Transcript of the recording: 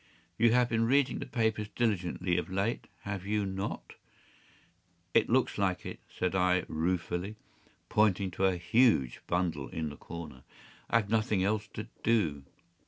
You have been reading the papers diligently of late, have you not?” “It looks like it,” said I, ruefully, pointing to a huge bundle in the corner. “I have had nothing else to do.